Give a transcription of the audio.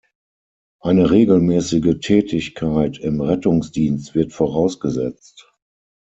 Eine regelmäßige Tätigkeit im Rettungsdienst wird vorausgesetzt.